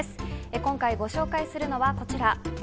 今回、ご紹介するのはこちら。